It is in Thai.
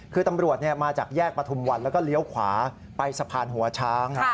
คือตำรวจมาจากแยกประทุมวันแล้วก็เลี้ยวขวาไปสะพานหัวช้าง